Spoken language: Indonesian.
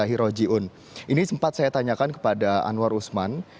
ini sempat saya tanyakan kepada anwar usman